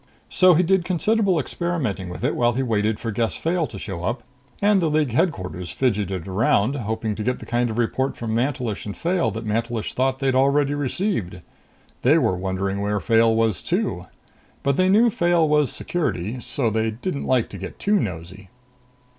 So he did considerable experimenting with it while he waited for Gess Fayle to show up and League Headquarters fidgeted around, hoping to get the kind of report from Mantelish and Fayle that Mantelish thought they'd already received. They were wondering where Fayle was, too. But they knew Fayle was Security, so they didn't like to get too nosy."